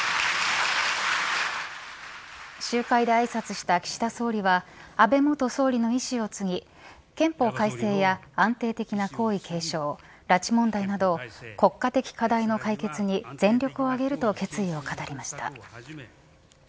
集会であいさつした岸田総理は安倍元総理の遺志を継ぎ憲法改正や安定的な皇位継承拉致問題など国家的課題の解決に全力を挙げると決意を語りました。